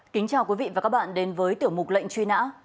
kính chào quý vị và các bạn đến với tiểu mục lệnh truy nã